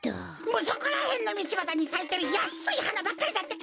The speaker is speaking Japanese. そこらへんのみちばたにさいてるやっすいはなばっかりだってか！